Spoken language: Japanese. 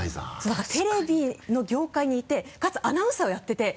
だからテレビの業界にいてかつアナウンサーをやってて。